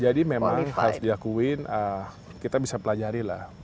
jadi memang harus diakui kita bisa pelajari lah